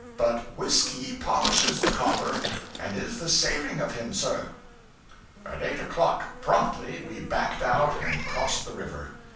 But whiskey polishes the copper and is the saving of him, sir.' At eight o'clock, promptly, we backed out and crossed the river.